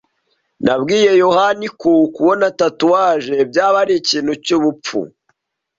Nabwiye yohani ko kubona tatouage byaba ari ikintu cyubupfu.